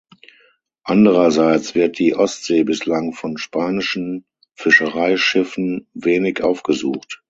Andererseits wird die Ostsee bislang von spanischen Fischereischiffen wenig aufgesucht.